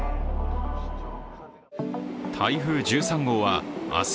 台風１３号は明日